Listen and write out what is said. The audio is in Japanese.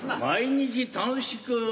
毎日楽しく。